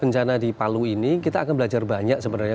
jadi pasca bencana di palu ini kita akan belajar banyak sebenarnya